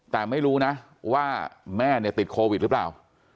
แต่ไม่รู้นะว่าแม่เนี่ยติดโควิดหรือเปล่า